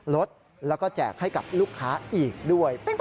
ลดแล้วก็แจกให้กับลูกค้าอีกด้วย